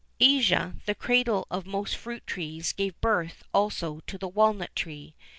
Asia, the cradle of most fruit trees, gave birth also to the walnut tree.